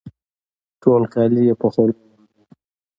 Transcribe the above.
ټول کالي یې په خولو لانده وه